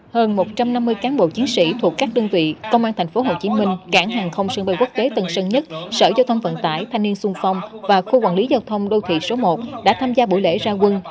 hơn một trăm năm mươi cán bộ chiến sĩ thuộc các đơn vị công an tp hcm cảng hàng không sân bay quốc tế tân sơn nhất sở giao thông vận tải thanh niên sung phong và khu quản lý giao thông đô thị số một đã tham gia buổi lễ ra quân